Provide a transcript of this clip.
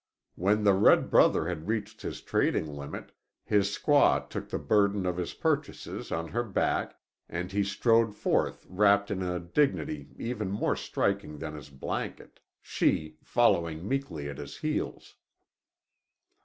When the red brother had reached his trading limit, his squaw took the burden of his purchases on her back, and he strode forth wrapped in a dignity even more striking than his blanket, she following meekly at his heels.